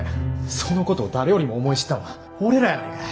そのことを誰よりも思い知ったんは俺らやないかい。